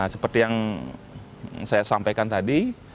seperti yang saya sampaikan tadi